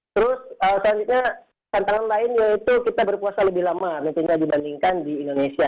terus selanjutnya tantangan lain yaitu kita berpuasa lebih lama mungkin dibandingkan di indonesia